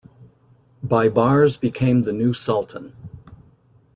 Baibars became the new Sultan.